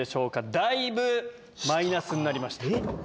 だいぶマイナスになりました。